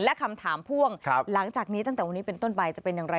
และคำถามพ่วงหลังจากนี้ตั้งแต่วันนี้เป็นต้นไปจะเป็นอย่างไร